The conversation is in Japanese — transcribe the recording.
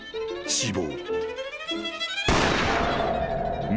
死亡］